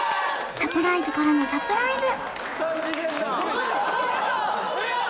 サプライズからのサプライズ３次元だえっ！